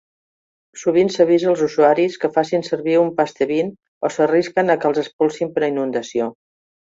Sovint s'avisa als usuaris que facin servir un "pastebin" o s'arrisquen a que els "expulsin" per "inundació".